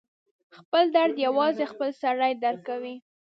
خپل درد یوازې خپله سړی درک کوي.